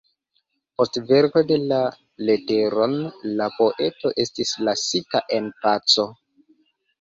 Post verko de la leteron, la poeto estis lasita en paco.